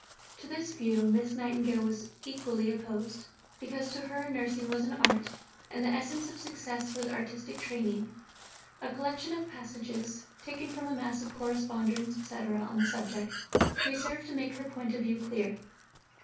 To this view Miss Nightingale was equally opposed, because to her Nursing was an Art, and the essence of success was artistic training. A collection of passages, taken from a mass of correspondence, etc., on the subject, may serve to make her point of view clear.